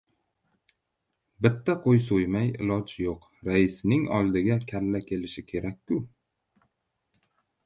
— Bitta qo‘y so‘ymay iloj yo‘q. Raisning oldiga kalla kelishi kerak-ku!